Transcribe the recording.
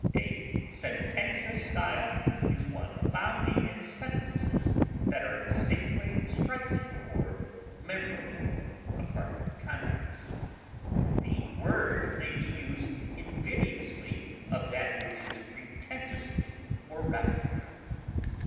A sententious style is one abounding in sentences that are singly striking or memorable, apart from the context; the word may be used invidiously of that which is pretentiously oracular.